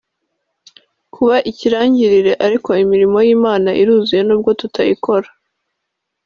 kuba ikirangirire ariko imirimo y’Imana iruzuye n’ubwo tutayikora